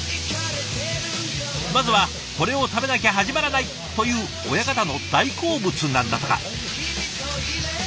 まずはこれを食べなきゃ始まらないという親方の大好物なんだとか。